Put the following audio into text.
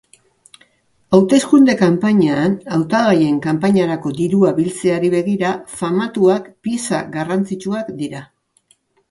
Hauteskunde-kanpainan, hautagaien kanpainarako dirua biltzeari begira, famatuak pieza garrantzitsuak dira.